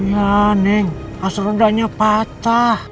ya neng as redanya patah